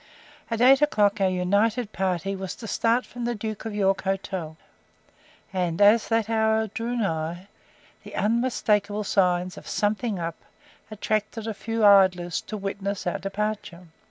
At eight o'clock our united party was to start from the "Duke of York" hotel, and as that hour drew nigh, the unmistakeable signs of "something up," attracted a few idlers to witness our departure.